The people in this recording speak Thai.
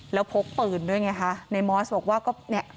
แล้วพกปืนด้วยไงคะในมอสบอกว่าก็เนี่ย